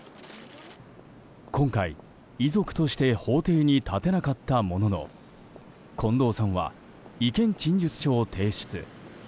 今回、遺族として法廷に立てなかったものの近藤さんは、意見陳述書を提出。